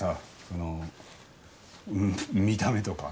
その見た目とか。